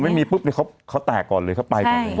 แต่อันนี้คือผมไม่มีปุ๊บเลยเขาแตกก่อนเลยเขาไปก่อนเลย